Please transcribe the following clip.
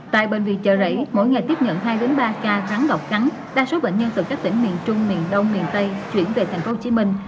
tại bệnh viện chợ rẫy mỗi ngày tiếp nhận hai ba ca rắn độc cắn đa số bệnh nhân từ các tỉnh miền trung miền đông miền tây chuyển về tp hcm